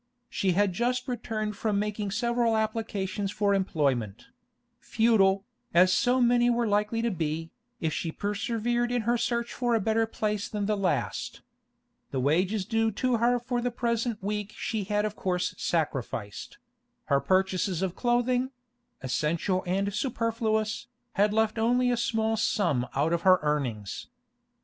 She had just returned from making several applications for employment—futile, as so many were likely to be, if she persevered in her search for a better place than the last. The wages due to her for the present week she had of course sacrificed; her purchases of clothing—essential and superfluous—had left only a small sum out of her earnings.